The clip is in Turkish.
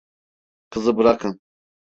Kızı bırakın.